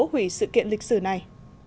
hủy sự kiện lịch sử này